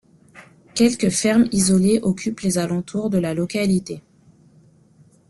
Quelques fermes isolées occupent les alentours de la localité.